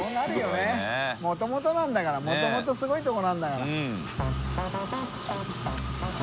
もともとなんだからもともとすごいとこなんだから。